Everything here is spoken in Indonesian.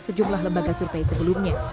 sejumlah lembaga survei sebelumnya